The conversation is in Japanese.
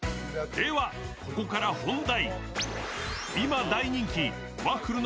ではここから本題。